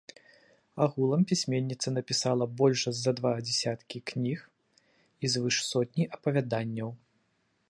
Агулам пісьменніца напісала больш за два дзясяткі кніг і звыш сотні апавяданняў.